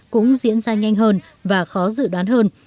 cũng diễn ra nhanh hơn và khó dự đoán hơn